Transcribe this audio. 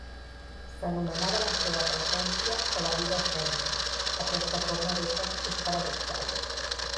S'anomenava la seva "presència" o "la vida escènica", aquesta forma d'ésser és paradoxal.